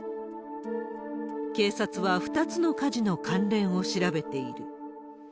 警察は２つの火事の関連を調べている。